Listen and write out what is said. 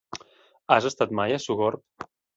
Has estat mai a Sogorb?